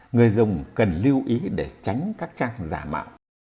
người dùng cần lưu ý để tránh các trang giả mạo